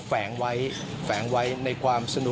เป็นทางด้านหลัง